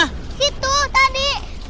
di situ tadi